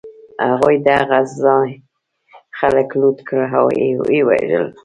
هغوی د هغه ځای خلک لوټ کړل او و یې وژل